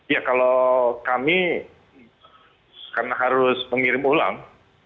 ya kalau kami karena harus mengirim ulang